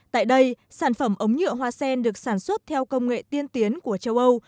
tại đây sản phẩm ống nhựa hoa sen được sản xuất theo công nghệ tiên tiến của châu âu